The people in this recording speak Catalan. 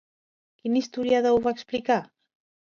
Quin historiador ho va explicar?